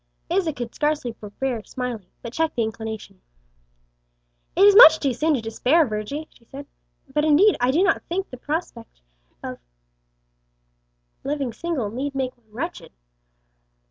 Isa could scarce forbear smiling, but checked the inclination. "It is much too soon to despair, Virgy," she said; "but indeed, I do not think the prospect of living single need make one wretched."